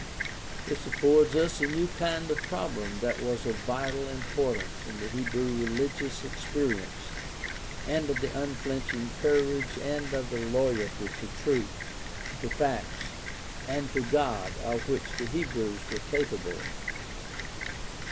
This affords us a view of the kind of problem that was of vital importance in the Hebrew religious experience and of the unflinching courage and of the loyalty to truth, to facts, and to God of which the Hebrews were capable.